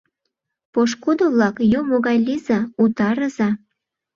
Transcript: Пошкудо-влак, юмо гай лийза, утарыза!